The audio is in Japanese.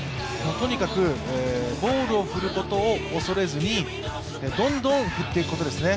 とにかくボールを振ることを恐れずにどんどん振っていくことですね。